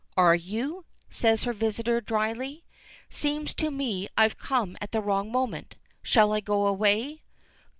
"Are you?" says her visitor, drily. "Seems to me I've come at the wrong moment. Shall I go away?"